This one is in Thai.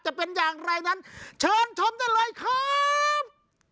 จะเป็นอย่างไรนั้นเชิญชมได้เลยครับ